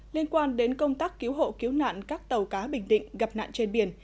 liên quan đến công tác cứu hộ cứu nạn các tàu cá bình định gặp nạn trên biển